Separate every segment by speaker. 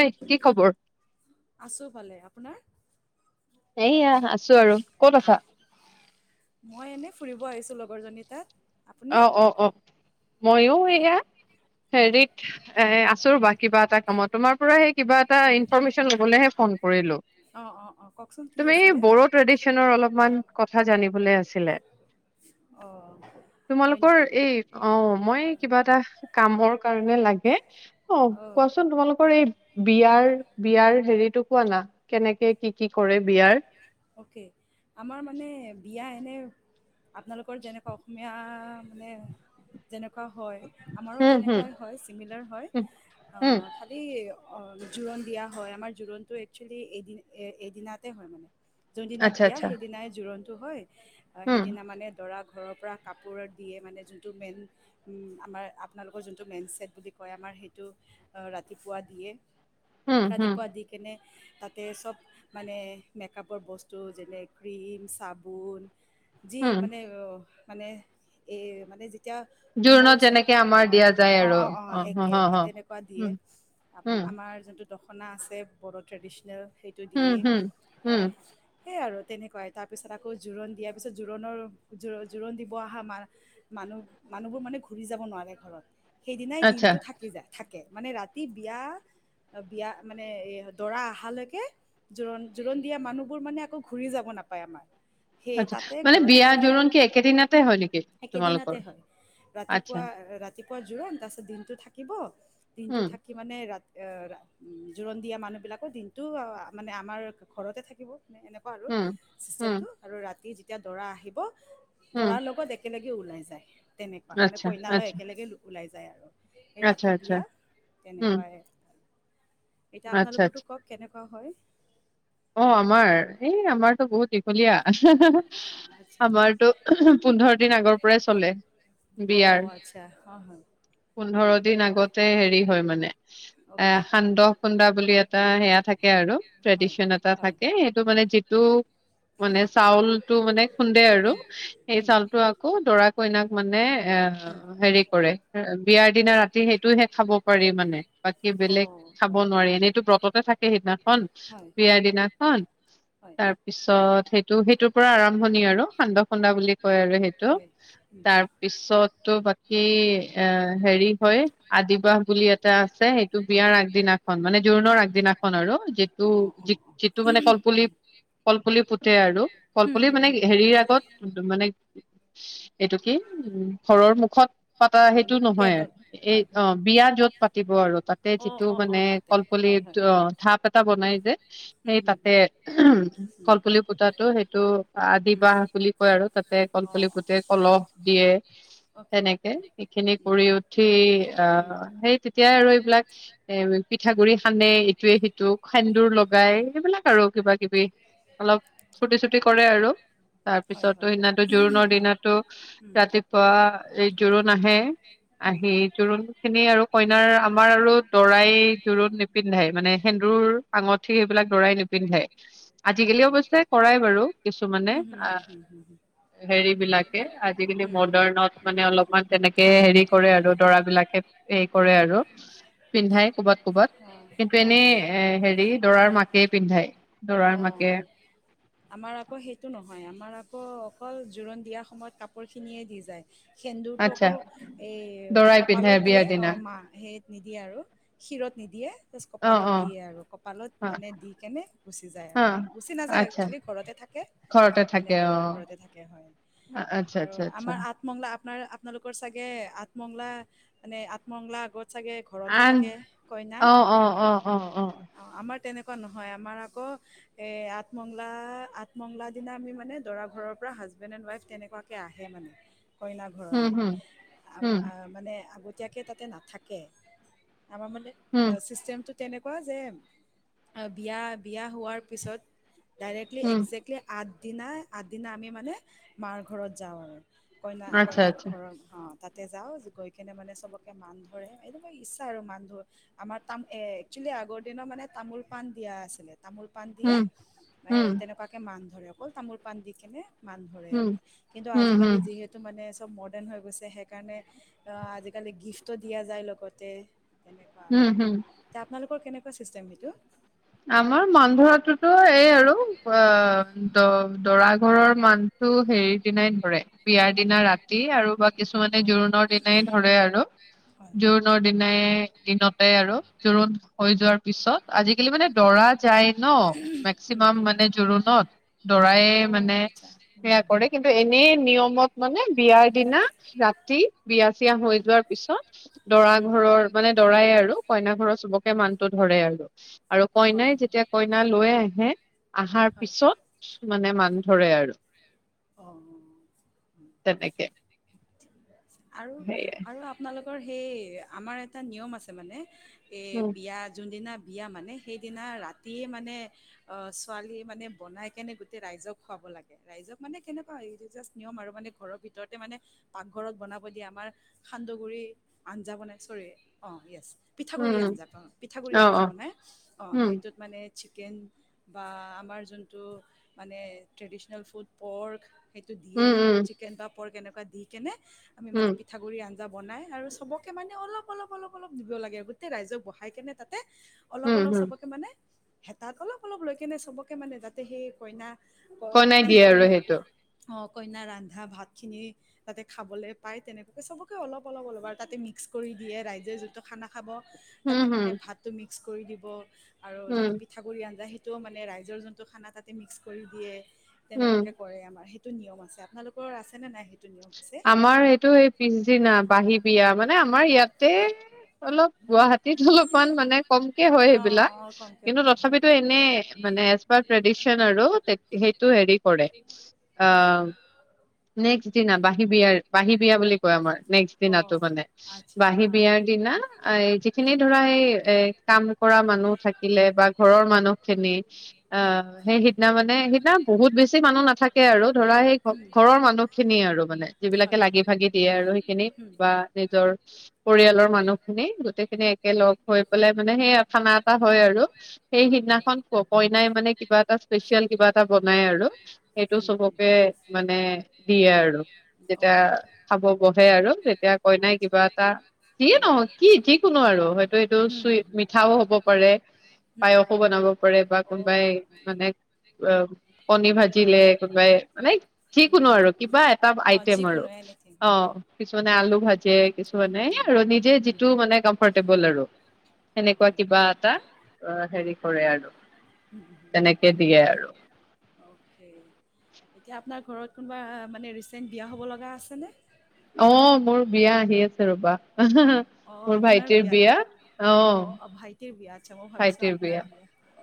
Speaker 1: ঐ কি খবৰ?
Speaker 2: আছোঁ ভালে আপোনাৰ।
Speaker 1: এইয়া আছোঁ আৰু, ক'ত আছা?
Speaker 2: মই এনে ফুৰিব আহিছোঁ লগৰজনী তাত। আপুনি
Speaker 1: অহ অ অ অ। মইও এয়া হেৰিত এ আছোঁ ৰবা কিবা এটা কামত তোমাৰ পৰাই- কিবা এটা ইনফৰ্মেচন ল'বলৈ ফোন কৰিলোঁ।
Speaker 2: অঁ অঁ অঁ কওকচোন কি
Speaker 1: তুমি
Speaker 2: আছিলে
Speaker 1: বড়ো ত্ৰেদিচনৰ অলপমান কথা জানিব আছিলে।
Speaker 2: অঁ হয়
Speaker 1: তোমালোকৰ
Speaker 2: নেকি
Speaker 1: এই অ মই কিবা এটা কামৰ কাৰণে লাগ। কে। অ
Speaker 2: অঁ
Speaker 1: কোৱাচোন তোমালোকৰ এই বিয়াৰ বিয়াৰ হেৰিতটো কোৱা না কেনেকে কি কি কৰে বিয়াৰ?
Speaker 2: অকে আমাৰ মানে বিয়া এনে। আপোনালোকৰ যেনেকুৱা অসমীয়া মানে যেনেকুৱা। হয় আমাৰো
Speaker 1: হম, হম,
Speaker 2: তেনেকুৱাই হয় চিমিলাৰ হয়
Speaker 1: হম,
Speaker 2: খালী- জোৰোণ দিয়া হয়। আমাৰ জোৰোণটো একচুৱেলি এইদিন এইদিনাতে হয় মানে। যোনদিনা
Speaker 1: আচ্ছা
Speaker 2: বিয়া
Speaker 1: আচ্ছা,
Speaker 2: সেইদিনাই জোৰন্ত টো হয়।
Speaker 1: হম,
Speaker 2: সেইদিনা মানে দৰাক ঘৰৰ পৰা কাপোৰ দিয়ে মানে যোনটো মেইন, আমাৰ আপোনালোকৰ যোনটো মেইন ছেট বুলি কয় আমাৰ সেইটো ৰাতিপুৱা দিয়ে
Speaker 1: হম, হম,
Speaker 2: ৰাতিপুৱা দি কেনে তাতে চব মানে কাপৰ বস্তু যেনে ক্ৰীম, চাবোন যি
Speaker 1: হম।
Speaker 2: মানে অ মানে, এ মানে এতিয়া কোমৰ
Speaker 1: জোৰোণত
Speaker 2: ওচৰত,
Speaker 1: যেনেকে আমাৰ দিয়া যায়
Speaker 2: অ
Speaker 1: আৰু
Speaker 2: অ অ অ
Speaker 1: হ
Speaker 2: একে
Speaker 1: হ
Speaker 2: একে
Speaker 1: হ
Speaker 2: তেনেকুৱা দিয়ে,
Speaker 1: উম
Speaker 2: আপোনাৰ
Speaker 1: উম
Speaker 2: আমাৰ যোনটো দখনা আছে, বডো ট্ৰেডিচনেল সেইটো
Speaker 1: উম
Speaker 2: দিয়েই
Speaker 1: হুম
Speaker 2: এ।
Speaker 1: উম
Speaker 2: সেইয়াই আৰু তেনেকুৱাই তাৰপিছত আকৌ জোৰোণ দিয়াৰ পিছত জোৰোণৰ জোৰোণ দিব অহা ম মানুহ মানুহবোৰ মানে ঘূৰি যাব নোৱাৰে ঘৰত। সেইদিনাই
Speaker 1: আচ্ছা
Speaker 2: দিনটো থাকি যায়। থাকে, মানে ৰাতি বিয়া বিয়া মানে এ দৰা অহালৈকে জোৰণ জোৰণ দিয়া মানুহবোৰ মানে আকৌ ঘূৰি যাব নাপায় আমাৰ। সেই
Speaker 1: আচ্ছা
Speaker 2: তাতে
Speaker 1: মানে
Speaker 2: ঘৰতে
Speaker 1: বিয়া
Speaker 2: থাকে
Speaker 1: জোৰণ কি একেদিনতে হয় নেকি
Speaker 2: একেদিনাতে
Speaker 1: তোমালোকৰ?
Speaker 2: হয়
Speaker 1: আচ্ছা।
Speaker 2: ৰাতিপুৱা ৰাতিপুৱা জোৰণ তাৰপিছত দিনটো থাকিব দিনটো
Speaker 1: উম
Speaker 2: থাকি মানে ৰাতি এ উম জোৰণ দিয়া মানুহ বিলাকৰ দিনটো মানে আমাৰ ঘৰতে থাকিব। মানে, এনেকুৱা আৰু
Speaker 1: উম উম
Speaker 2: ছিষ্টেমটো আৰু ৰাতি এতিয়া দৰা আহিব
Speaker 1: উম
Speaker 2: দৰাৰ লগোকো দেখ একেলগেও ওলাই যায়। তেনেকুৱা, মানে
Speaker 1: আচ্ছা
Speaker 2: কইনালৈ
Speaker 1: আচ্ছা
Speaker 2: একেলগে ওলাই যায়। যাই আৰু। এই
Speaker 1: আচ্ছা
Speaker 2: ৰাতি
Speaker 1: আচ্ছা
Speaker 2: বিয়া,
Speaker 1: উম
Speaker 2: তেনেকুৱাই এতিয়া
Speaker 1: আচ্ছা আচ্ছা
Speaker 2: আপোনালোকৰো কওক কেনে থকা হয়।
Speaker 1: অ আমাৰ, এই আমাৰতো বহুত দি বলিয়া,
Speaker 2: আচ্ছা
Speaker 1: আমাৰতো পোন্ধৰ দিন আগৰ পৰাই চলে, বিয়াৰ,
Speaker 2: অ' আচ্ছা হয় হয়
Speaker 1: পোন্ধৰ
Speaker 2: অ'
Speaker 1: দিন আগতে হেৰি হয় মানে এ
Speaker 2: অ'কে
Speaker 1: সান্দহ খুন্দা বুলি এটা সেয়া থাকে আৰু
Speaker 2: হয়
Speaker 1: ট্ৰেডিশনত
Speaker 2: হয়
Speaker 1: থাকে সেইটো মানে যিটো উম। মানে চাউলটো মানে খুন্দে আৰু, সেই
Speaker 2: উম,
Speaker 1: চাউলটো আকৌ দৰা কইনাক মানে এ, হেৰি কৰে বিয়াৰ দিনা ৰাতি সেইটোহে খাব পাৰি মানে বাকী বেলেগ
Speaker 2: অ'
Speaker 1: খাব
Speaker 2: অ'
Speaker 1: নোৱাৰি এনেইতো ব্ৰততে থাকে সিদিনাখন
Speaker 2: হয়
Speaker 1: দিনাখন
Speaker 2: হয়
Speaker 1: তাৰপিছত সেইটো, সেইটোৰ পৰা আৰম্ভণি আৰু সান্দহ খুন্দা বুলি কয় আৰু সেইটো
Speaker 2: হয় হয়
Speaker 1: তাৰপিছতটো বা হে, এ হেৰি হয় আদিবাস বুলি এটা আছে সেইটো বিয়াৰ আগদিনাখন মানে জোৰোণৰ আগদিনাখন আৰু কিটো
Speaker 2: উম, অ'
Speaker 1: যি
Speaker 2: অ'
Speaker 1: যিটো মানে কলপুলি কলপুলি পু তে আৰু কলপুলি মানে
Speaker 2: অ'
Speaker 1: হেৰিৰ আগত মানে এইটো কি, উম ঘৰৰ মুখত পাতা সেইটো
Speaker 2: ঘৰমুখত
Speaker 1: নহয়
Speaker 2: গেটত
Speaker 1: আৰু এই
Speaker 2: হয়
Speaker 1: অ
Speaker 2: হয়
Speaker 1: বিয়া যত পাতিব আৰু তাতে
Speaker 2: অ'
Speaker 1: যিটো
Speaker 2: অ' অ'
Speaker 1: মানে
Speaker 2: তাতে হয়
Speaker 1: কলপুলিৰ
Speaker 2: হয়
Speaker 1: অ ঢাপ এটা
Speaker 2: উম,
Speaker 1: বনাই যে
Speaker 2: হুম
Speaker 1: সেই
Speaker 2: হুম
Speaker 1: তাতে,
Speaker 2: হুম
Speaker 1: উম
Speaker 2: হুম
Speaker 1: কলপুলি পূতাটো সেইটো
Speaker 2: হুম,
Speaker 1: আদিবাহ বুলি কয় আৰু তাতে
Speaker 2: অ'
Speaker 1: কলপুলি
Speaker 2: অ'
Speaker 1: পূতে,
Speaker 2: অ'
Speaker 1: কলহ দিয়ে
Speaker 2: অ'কে
Speaker 1: তেনেকে, সেইখিনি
Speaker 2: উম,
Speaker 1: কৰি উঠি
Speaker 2: হুম,
Speaker 1: আহ, সেই তেতিয়াই আৰু এইবিলাক এ পিঠাগুৰি সানে এইটোৱে সেইটোক সেন্দুৰ গাই সেইবিলাক আৰু কিবা কিবি, অলপ ফূৰ্তি চোৰ্তি কৰে আৰু। তাৰ
Speaker 2: হয়
Speaker 1: পিছতো
Speaker 2: হয় হয়
Speaker 1: সেইদিনাতো জোৰোণৰ দিনাতো
Speaker 2: উম,
Speaker 1: ৰাতিপুৱা এই জোৰোণ আহে,
Speaker 2: হুম,
Speaker 1: আহি জোৰোণ খিনি আৰু কইনাৰ আমাৰ আৰু দৰাই জোৰণ নিপিন্ধাই, মানে সেন্দুৰ আঙত ঠি সেইবিলাক দৰাই নিপিন্ধে আজিকালি
Speaker 2: অ'
Speaker 1: অৱশ্যে কৰাই বাৰু কিছুমানে,
Speaker 2: হুম হুম হুম
Speaker 1: আহ
Speaker 2: হুম হুম হুম,
Speaker 1: হেৰি বিলাকে আজিকালি
Speaker 2: হুম,
Speaker 1: মডাৰ্ণত
Speaker 2: হুম,
Speaker 1: মানে অলপমান তেনেকে
Speaker 2: হয়
Speaker 1: হেৰি
Speaker 2: হয়
Speaker 1: কৰে আৰু
Speaker 2: হয়
Speaker 1: দৰাবিলাকে হে কৰে আৰু পিন্ধাই কবাত কবাত
Speaker 2: অ',
Speaker 1: কিন্তু
Speaker 2: অ',
Speaker 1: এনেই
Speaker 2: হয়
Speaker 1: এ হেৰি দৰাৰ মাকে পিন্ধায়
Speaker 2: অ, আমাৰ আকৌ সেইটো নহয় আমাৰ আকৌ অক অকল জোৰোণ দিয়া সময়ত কাপোৰ খিনিয়ে দি যায়। সেন্দুৰটো
Speaker 1: আচ্ছা
Speaker 2: অকল এই
Speaker 1: দৰাই পিন্ধে
Speaker 2: কপালত দিয়ে,
Speaker 1: বিয়াৰ
Speaker 2: অ
Speaker 1: দিনা
Speaker 2: মাহ সেই নিদিয়ে আৰু ক্ষিৰত নিদিয়ে
Speaker 1: অ
Speaker 2: কপালত
Speaker 1: অ
Speaker 2: দিয়ে আৰু কপালত
Speaker 1: অ
Speaker 2: মানে দি কেনে গ যায় অ তেনেকে, গুচি নাযায়,
Speaker 1: আচ্ছা
Speaker 2: এক্সচুৱেলী ঘৰতে থাকে,
Speaker 1: ঘৰতে থাকে
Speaker 2: তেনেকৈ
Speaker 1: অ
Speaker 2: ঘৰতে থাকে হয়
Speaker 1: আচ্ছা
Speaker 2: আৰু
Speaker 1: আচ্ছা আচ্ছা
Speaker 2: আমাৰ আঠ মংগলা আপোনাৰ আপোনালোকৰ চাগে আঠমংলা, মানে আঠমংলা আগত চাগে ঘৰতে
Speaker 1: আন
Speaker 2: থাকে কইনা,
Speaker 1: অ অ অ অ
Speaker 2: অ আমাৰ তেনে তেনেকুৱা নহয় আমাৰ আকৌ এই আঠমঙংলা আঠমঙংলা দিনা আমি মানে দৰা ঘৰৰ পৰা হাজবেণ্ড এণ্ড ৱাইফ তেনেকুৱাকে আহে মানে। কইনা
Speaker 1: হুম
Speaker 2: ঘৰলে
Speaker 1: হুম হুম
Speaker 2: মানে আগতে। এতিয়াকে তাতে নাথাকে। আমাৰ মানে
Speaker 1: হুম
Speaker 2: চিষ্টেমটো তেনেক- কোৱা যে অ বিয়া বিয়া হোৱাৰ পিছত। ডাইৰেক্টিলি
Speaker 1: হুম
Speaker 2: এক্জে্টি আদ- দিনাই আগদিনা আমি মানে মাৰ ঘৰত যাওঁ আৰু। কইনা
Speaker 1: আচ্ছা
Speaker 2: কইনাক
Speaker 1: আচ্ছা
Speaker 2: ঘৰৰ অহ। তাতে যাওঁ গৈ কিনে মানে চবকে মান ধৰে সেটো মই ইচ্ছা আৰু মান ধ আমাৰ তা এ একচেলি আগৰ দিনৰ মানে তামোল পাণ দিয়া আছিলে। তামোল পাণ দিয়ে
Speaker 1: হুম হুম
Speaker 2: তেনেকুৱাকে মান ধৰে। অকল তামোল পাণ দি কেনে মান ধৰে
Speaker 1: হুম
Speaker 2: আৰু কিন্তু
Speaker 1: হুম হুম
Speaker 2: আজিকালি যিহেতু মানে। চব মডেৰ্ণ হৈ গৈছে সেইকাৰণে আজিকালি গিফ্টটো দিয়া যায় লগতে। তেনেকুৱা
Speaker 1: হুম
Speaker 2: আৰু
Speaker 1: হুম
Speaker 2: তে আপোনালোক- লোকৰ কেনেকুৱা চিষ্টেম সেইটো।
Speaker 1: আমাৰ মান ধৰাতোতো এই আৰু অ- দ দৰা ঘৰৰ মানটো হেৰীদিনাই ধৰে বিয়াৰ। দিনা ৰাতি আৰু বা কিছুমানে
Speaker 2: অঁ
Speaker 1: জোৰোণৰ দিনাই ধৰে আৰু
Speaker 2: হয়
Speaker 1: জোৰোণ দিনাই। দিনতে আৰু জোৰোণ হৈ যোৱাৰ পিছত আজি। কেলেই মানে
Speaker 2: হয় হয়
Speaker 1: দৰা যায় ন মেক্সিমাম মানে জোৰোণত দৰায় মানে
Speaker 2: অঁ আচ্ছা হুম
Speaker 1: সেয়া
Speaker 2: হুম
Speaker 1: কৰে। কিন্তু এনে নিয়মত মানে বিয়াৰ দিনা ৰাতি বিয়া চিয়া হৈ যোৱাৰ পিছত। দৰা
Speaker 2: হুম
Speaker 1: ঘৰৰ মানে দৰাই আৰু- কইনা ঘৰত চবকে মানতো ধৰে আৰু। আৰু
Speaker 2: হয়
Speaker 1: কইনাই
Speaker 2: হয়
Speaker 1: যেতিয়া কইনা লৈ আহে আহাৰ
Speaker 2: হয়
Speaker 1: পিছত মানে মাক। ধৰে আৰু।
Speaker 2: অঁ
Speaker 1: তেনেকে।
Speaker 2: আৰু
Speaker 1: সেয়াই
Speaker 2: আৰু আপোনালোক সেই আমাৰ এটা নিয়ম আছে মানে। এ
Speaker 1: উম
Speaker 2: বিয়া যোনদিনা। বিয়া মানে সেইদিনা ৰাতিয়ে মানে অ ছোৱালী মানে বনাই কেনে গোটেই ৰাইজক খুৱাব লাগে। ৰাইজক মানে কেনেকুৱা জাচ নিয়ম আৰু মানে ঘৰৰ ভিতৰতে মানে পাকঘৰত বন হ' ব দিয়া আমাৰ সান্দহগুৰি আঞ্জা বনাই চৰি অ য়েছ পিঠাগুৰি আঞ্জা
Speaker 1: উম
Speaker 2: অ পিঠাগুৰি
Speaker 1: অ
Speaker 2: আঞ্জা
Speaker 1: অ
Speaker 2: বনাই অ
Speaker 1: উম
Speaker 2: সেইটোত মানে। চিকেন বা আমাৰ যোনটো মানে ট্ৰেডিশনেল ফুড পৰ্ক সেইটো দিয়ে
Speaker 1: উম উম
Speaker 2: চিকেন পাপৰ কেনেক- দি কেনে আমি মানে
Speaker 1: উম
Speaker 2: পিঠাগুৰি আন। বনাই আৰু চবকে মানে অলপ অলপ অলপ অলপ দিব লাগে আৰু গোটেই ৰাইজক বহাই কেনে তাত। অলপ
Speaker 1: উম
Speaker 2: অলপ
Speaker 1: উম
Speaker 2: চবকে মানে হেতাত অলপ অলপ লৈ কেনে চবকে মানে যাতে সেই কইনা।
Speaker 1: কইনাই দিয়ে আৰু
Speaker 2: কইনা
Speaker 1: সেইটো।
Speaker 2: কইনা ৰন্ধা ভাতখিনি তাতে খাবলে পাই তেনেকে চবকে অলপ অলপ অলপ আৰু তাতে মিক্স কৰি দিয়ে ৰাইজে যিটো খানা। খাব
Speaker 1: উম
Speaker 2: তাতে
Speaker 1: হম
Speaker 2: মানে ভাতটো মি। মিক্স কৰি দিব আৰু
Speaker 1: উম
Speaker 2: যোনটো পিঠাগুৰি আঞ্জাসি। টো মানে ৰাইজৰ যোনটো খানা তাতে মিক্স কৰি দিয়ে।
Speaker 1: উম
Speaker 2: তেনেকুৱাকে কৰে আমাৰ টো নিয়ম আছে আপোনোলোকৰ আছে নাই সেই ধুনীয় পিছে
Speaker 1: টো পিছদিনা বাঁহী বিয়া মানে আমাৰ ইয়াতে অলপ গুৱাহাটীত অলপমান মানে কমকে হয়
Speaker 2: অ
Speaker 1: সেইবিলাক
Speaker 2: অ কমকে
Speaker 1: কিন্তু
Speaker 2: হয় হয়
Speaker 1: তথাপিতো এনে মানে এজপাৰ ট্ৰেডিচন আৰু সেইটো হেৰি কৰে।
Speaker 2: হয়
Speaker 1: আহ্ নেকছ যি নাবাঁহী বিয়াৰ বাঁহী বিয়া বুলি কয় আমাৰ নেক্সট
Speaker 2: অ
Speaker 1: দিনাটো মানে
Speaker 2: আচ্ছা
Speaker 1: বাঁহী
Speaker 2: অ হ
Speaker 1: বিয়াৰ দিনা এই যিখিনি ধৰা সেই এ কাম কৰা মানুহ থাকিলে বা ঘৰৰ মানুহ খিনি আহ সেই সিদিনা মানে। সেইদিনা বহুত বেছি মানুহ নাথাকে আৰু। ধৰা সেই ঘৰৰ মানুহ খিনিয়ে আৰু মানে যিবিলাকে
Speaker 2: হয়
Speaker 1: লাগি
Speaker 2: হয়
Speaker 1: ভাগি দিয়ে আৰু সেইখিনি
Speaker 2: উম
Speaker 1: বা
Speaker 2: উম
Speaker 1: নিজৰ পৰিয়ালৰ মানুহখিনি গোটেইখিনি একে লগ হৈ পেলাই মানে সেই খানা এটা হয় আৰু। সেই
Speaker 2: হয় হয়।
Speaker 1: সিদিনাখন ক কইনাই মানে। কিবা এটা স্পেচিয়েল কিবা এটা বনাই আৰু সেইটো
Speaker 2: উম উম।
Speaker 1: চবকে মানে দিয়ে আৰু।
Speaker 2: অ'
Speaker 1: যেতিয়া খাব বহে আৰু তেতিয়া কই নাই
Speaker 2: আচ্ছা।
Speaker 1: কিবা এটা যিয়ে
Speaker 2: উম
Speaker 1: নহ কি যিকোনো আৰু হয়তো এইটো
Speaker 2: হুম
Speaker 1: চুইট
Speaker 2: হুম হুম।
Speaker 1: মিঠাও হব পাৰে পায়সো বনাব পাৰে বা
Speaker 2: অ' উম
Speaker 1: কোনোবাই
Speaker 2: উম।
Speaker 1: মানে অ কণী
Speaker 2: উম
Speaker 1: ভাজিলে কোনোবাই মানে যিকোনো আৰু। কিবা এটা
Speaker 2: অ'
Speaker 1: আইটেম আৰু
Speaker 2: যিকোনো এনিথিং
Speaker 1: অ
Speaker 2: হয় হয়।
Speaker 1: কিছুমানে আলু ভাজি। যে কিছুমানে নাই
Speaker 2: উম
Speaker 1: আৰু নিজে
Speaker 2: উম
Speaker 1: যিটো মানে কমফৰ্ট ব'ল আৰু
Speaker 2: হয়
Speaker 1: সেনেকুৱা
Speaker 2: হয়
Speaker 1: কিবা
Speaker 2: হয়
Speaker 1: এটা, আহ
Speaker 2: উম
Speaker 1: হেৰি কৰে আৰু
Speaker 2: উম
Speaker 1: তেনেকে দিয়ে আৰু।
Speaker 2: অ'কে। এতিয়া আপোনাৰ ঘৰত কোনোবা মানে ৰিচেণ্ট বিয়া হ'ব লগা আছেনে?
Speaker 1: অ মোৰ বিয়া আহি আছে ৰবা।
Speaker 2: অ'
Speaker 1: মোৰ
Speaker 2: আপোনাৰ
Speaker 1: ভাইটিৰ বিয়া অ।
Speaker 2: ভাইটিৰ বিয়া আচ্ছা মই ভাবিছোঁ
Speaker 1: ভাইটিৰ
Speaker 2: আপোনাৰ
Speaker 1: বিয়া,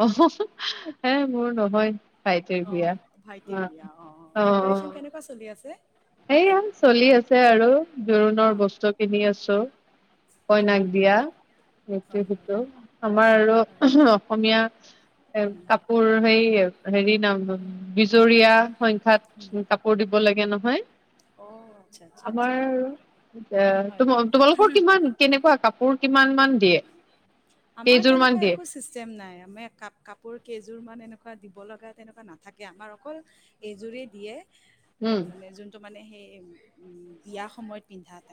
Speaker 1: অ। হে মোৰ নহয়। ভাইটিৰ
Speaker 2: অ
Speaker 1: বিয়া
Speaker 2: ভাইটিৰ বিয়া, অ অ প্ৰিপাৰেচন কেনেকুৱা চলি আছে?
Speaker 1: সেয়া চলি আছে আৰু জোৰোণৰ
Speaker 2: অ'
Speaker 1: বস্তু কিনি আছো।
Speaker 2: উম,
Speaker 1: কইনাক
Speaker 2: হুম, হুম,
Speaker 1: দিয়া, এইটো
Speaker 2: হয়, হয়,
Speaker 1: সিটো আমাৰ আৰু
Speaker 2: হয়,
Speaker 1: অসমীয়া এ
Speaker 2: উম,
Speaker 1: কাপোৰ সেই হেৰি নাম বিজৰীয়া সংখ্যাত
Speaker 2: উম,
Speaker 1: কাপোৰ দিব। ব লাগে নহয়।
Speaker 2: অ' আচ্ছা, আচ্ছা,
Speaker 1: আমাৰ
Speaker 2: আচ্ছা,
Speaker 1: এ
Speaker 2: হয়।
Speaker 1: ত তোমালোকৰ কিমান কাপোৰ কিমান মান দিয়ে
Speaker 2: আমাৰ
Speaker 1: কেইযোৰ মান
Speaker 2: তেনেকুৱা
Speaker 1: দিয়ে
Speaker 2: একো চিষ্টেম নাই আমি কাপ কাপোৰ কেইয এযোৰ মান এনেকুৱা দিব লগা তেনেকুৱা নাথাকে আমাৰ অকল এযোৰেই দিয়ে।
Speaker 1: উম
Speaker 2: অ মানে যোনটো মানে সেই বিয়া সময়ত পিন্ধাত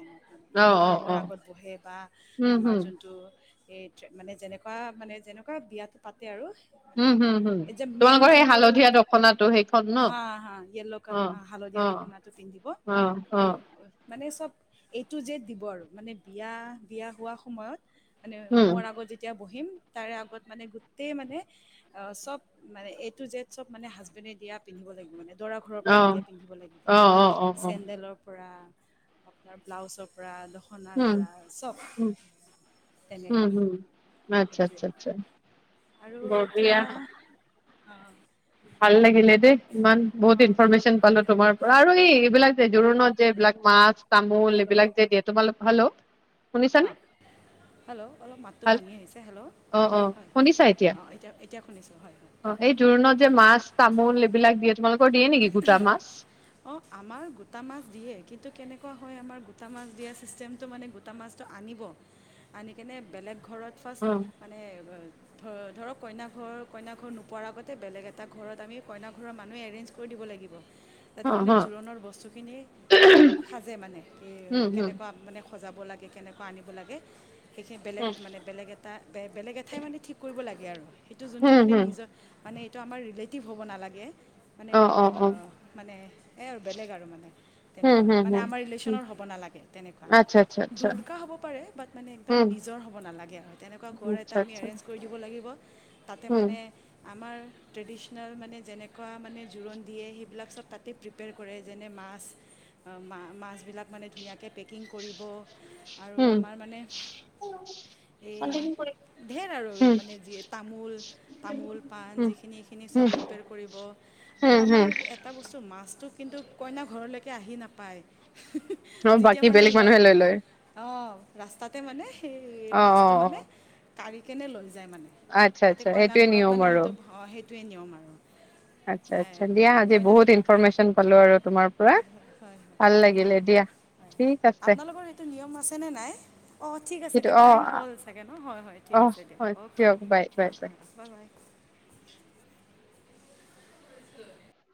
Speaker 1: অ
Speaker 2: যোনটো
Speaker 1: অ অ
Speaker 2: হোমৰ আগত বহে বা
Speaker 1: উম হুম
Speaker 2: আমাৰ এ মানে, যেনেকুৱা মানে যেনেকুৱা বিয়াতো পাতে আৰু
Speaker 1: উম হুম হুম
Speaker 2: এ যে মেইন
Speaker 1: তোমালোকৰ সেই
Speaker 2: যোনটো,
Speaker 1: হালধীয়া দখনাটো সেইখন ন
Speaker 2: হা হা য়েল্ল
Speaker 1: অ
Speaker 2: কালাৰ, হালধীয়া
Speaker 1: অ
Speaker 2: দখনাটো পিন্ধিব,
Speaker 1: অ অ
Speaker 2: এই মানে চব এইটো যে দিব আৰু মানে বিয়া, বিয়া হোৱা সময়ত। মানে
Speaker 1: উম
Speaker 2: হোমৰ আগত যেতিয়া বহিম তাৰে আগত মানে গোটেই মানে, অ চব মানে এ টু জেদ চব মানে হাজবেণ্ডে দিয়া পিন্ধিব লাগিব মানে দৰা ঘৰৰ পৰা
Speaker 1: অ
Speaker 2: দিয়া পিন্ধিব লাগিব,
Speaker 1: অ অ অ অ
Speaker 2: চেণ্ডেলৰ পৰা আপোনাৰ ব্লাউজৰ পৰা সনাৰ
Speaker 1: উম
Speaker 2: পৰা চব।
Speaker 1: উম উম
Speaker 2: তেনেকুৱা
Speaker 1: হম, আচ্ছা
Speaker 2: সেইটোৱে
Speaker 1: আচ্ছা আচ্ছা, বৰ বিয়া
Speaker 2: অ।
Speaker 1: ভাল লাগিলে দেই, ইমান বহুত ইনফৰ্মেচন পালো তোমাৰ পৰা আৰু এই এইবিলাক জোৰোণত যে এইবিলাক মাছ তামোল এইবিলাক যে দিয়ে তোমালোক হেল্ল'
Speaker 2: অ
Speaker 1: শুনিছানে
Speaker 2: হেল্ল' অলপ মাতটো
Speaker 1: হেল
Speaker 2: ভাঙি আহিছে হেল্ল'
Speaker 1: অ অ
Speaker 2: হয়
Speaker 1: শুনিছা
Speaker 2: অ এতিয়া এতিয়া শুনিছোঁ হয় হয়
Speaker 1: অ
Speaker 2: কওক
Speaker 1: এই জোৰোণত যে মাছ তামোল এইবিলাক দিয়ে তোমালোকৰ দিয়ে নেকি গোটা মাছ
Speaker 2: অ আমাৰ গোটা মাছ দিয়ে কিন্তু কেনেক কোৱা হয় আমাৰ গোটা মাছ দিয়া চিচষ্টেম মানে গোটা মাছটো আনিব আনি কিনে বেলেগ ঘৰত ফাৰ্ষ্ট
Speaker 1: উম
Speaker 2: মানে ধৰক কইনা ঘৰ কইনা ঘৰ নোপোৱাৰ আগতে বেলেগ এটা ঘৰত আমি কইনা ঘৰৰ মানুহ এৰেঞ্জ। কৰি দিব লাগিব
Speaker 1: হ
Speaker 2: যাতে মানে
Speaker 1: হ
Speaker 2: জোৰোণৰ বস্তুখিনি সাজে মানে
Speaker 1: উম হুম
Speaker 2: কেনেকুৱা মানে স মানে। সজাব লাগে কেনেকুৱা আনিব লাগে সেইখিনি বেলেগ মানে বেলেগ এটা বেলেগ এঠাই মানে ঠিক কৰিব লাগে। ইয়াৰ সেইটো যোনটো
Speaker 1: হুম
Speaker 2: মানে
Speaker 1: হুম
Speaker 2: নিজৰ মানে এইটো আমাৰ ৰিলেট টিভ হ'ব নালাগে মানে
Speaker 1: অ অ অ
Speaker 2: মানে এই আৰু বেলেগ আৰু মানে
Speaker 1: হুম
Speaker 2: তেনেকুৱা
Speaker 1: হুম
Speaker 2: মানে
Speaker 1: হুম
Speaker 2: আমাৰ
Speaker 1: হুম
Speaker 2: ৰিলেশ্যনৰ হ'ব নালাগে তেনেকুৱা
Speaker 1: আচ্ছা আচ্ছা আচ্ছা
Speaker 2: দুৰ্গা হ'ব পাৰে বাট মানে একদম
Speaker 1: হুম
Speaker 2: নিজৰ হ'ব নালাগে আৰু তেনেকুৱা ঘৰ এটা
Speaker 1: আচ্ছা
Speaker 2: আমি
Speaker 1: আচ্ছা
Speaker 2: এৰেঞ্জ কৰি দিব লাগিব। তাতে
Speaker 1: হুম
Speaker 2: মানে আমাৰ ট্ৰেডিশনেল মানে যেনেকুৱা মানে। জোৰোণ দিয়ে, সেইবিলাক চব তাতে প্ৰিপিয়েৰ কৰে। যেনে মাছ, মাছবিলাক। মানে ধুনীয়াকৈ পেকিং কৰিব আৰু
Speaker 1: হুম
Speaker 2: আমাৰ মানে এই ঢেৰ আৰু
Speaker 1: হুম
Speaker 2: মানে যি তামোল তামোল পাণ
Speaker 1: হুম
Speaker 2: যিখিনি সিখিনি চব
Speaker 1: হুম
Speaker 2: প্ৰিপেয়াৰ কৰিব। আৰু
Speaker 1: হুম
Speaker 2: আমাৰ
Speaker 1: হুম
Speaker 2: এটা বস্তু মাছ টো কিন্তু কইনা ঘৰলৈকে আহি নাপায়। হু হু
Speaker 1: অ
Speaker 2: যেতিয়া
Speaker 1: বাকী
Speaker 2: মানে
Speaker 1: বেলেগ
Speaker 2: ল
Speaker 1: মানুহে লৈ লয়
Speaker 2: অ ৰাস্তাতে মানে সেই
Speaker 1: অ অ
Speaker 2: মাছটো
Speaker 1: অ
Speaker 2: মানে কাৰি কিনে লৈ যা যায় মানে
Speaker 1: আচ্ছা
Speaker 2: ততে
Speaker 1: আচ্ছা
Speaker 2: কইনা
Speaker 1: সেইটোৱে
Speaker 2: ঘৰত
Speaker 1: নিয়ম
Speaker 2: মানে
Speaker 1: আৰু
Speaker 2: সেইটো সেইটোৱেই নিয়ম আৰু
Speaker 1: আচ্ছা আচ্ছা দিয়া
Speaker 2: অঁ
Speaker 1: আজি
Speaker 2: কইনা
Speaker 1: বহুত ইনফৰমেশ্যন পালো আৰু তোমাৰ পৰা
Speaker 2: হয়
Speaker 1: ভাল লাগিলে দিয়া ঠিক আছে
Speaker 2: আপোনালোকৰ সেইটো নিয়ম আছেনে নাই অঁ ঠিক আছে
Speaker 1: সেইটো
Speaker 2: দিয়ক
Speaker 1: অ
Speaker 2: টাইম হ'ল চাগে ন হয় হয় ঠিক
Speaker 1: অ
Speaker 2: আ দিয়ক
Speaker 1: হয়
Speaker 2: অ'কে
Speaker 1: দিয়ক বাই
Speaker 2: অ
Speaker 1: বাই বাই
Speaker 2: অ হয় বাই।